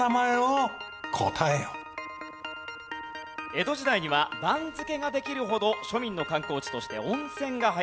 江戸時代には番付ができるほど庶民の観光地として温泉が流行っていたそうです。